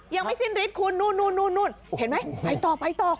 ยังไม่สิ้นลิฟต์คุณนู่นนู่นนู่นนู่นเห็นไหมไปต่อไปต่อ